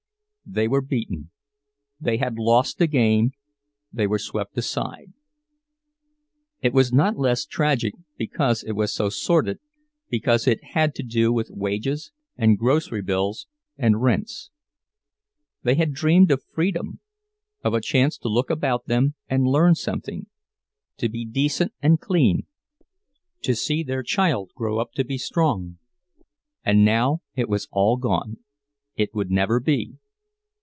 They were beaten; they had lost the game, they were swept aside. It was not less tragic because it was so sordid, because it had to do with wages and grocery bills and rents. They had dreamed of freedom; of a chance to look about them and learn something; to be decent and clean, to see their child grow up to be strong. And now it was all gone—it would never be!